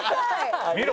見ろ！